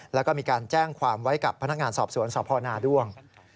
แล้วก็มีการแจ้งความไว้กับพนักงานสอบสวนสพนาด้วง